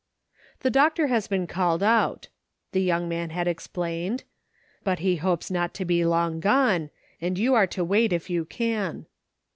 " The doctor has been called out," the young man had explained, "but he hopes not to be long gone, and you are to wait if you can.